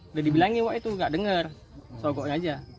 udah dibilangin waktu itu gak denger sokoknya aja